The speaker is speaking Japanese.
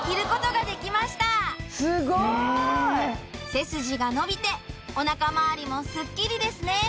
背筋が伸びてお腹周りもすっきりですね